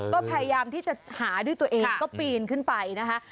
ก็พยายามที่จะหาด้วยตัวเองก็ปีนขึ้นไปนะคะ